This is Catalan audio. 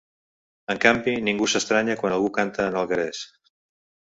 En canvi, ningú s’estranya quan algú canta en alguerès.